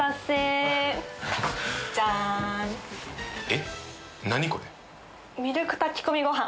えっ？